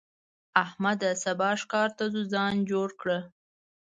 احمده! سبا ښکار ته ځو؛ ځان جوړ کړه.